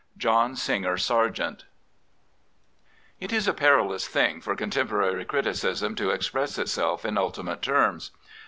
JOHN SINGER SARGENT It is a perilous thing for contemporary criticism to express itself in ultimate terms.